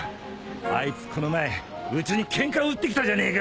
あいつこの前うちにケンカ売ってきたじゃねえか。